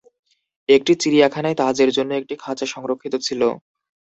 একটি চিড়িয়াখানায় তাজের জন্য একটি খাঁচা সংরক্ষিত ছিল।